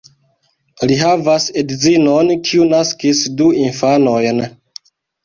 Li havas edzinon, kiu naskis du infanojn.